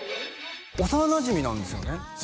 幼なじみなんですよね？